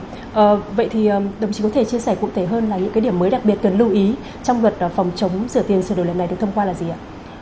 vâng vậy thì đồng chí có thể chia sẻ cụ thể hơn là những cái điểm mới đặc biệt cần lưu ý trong luật phòng chống sửa tiền sửa đổi lần này được thông qua là gì ạ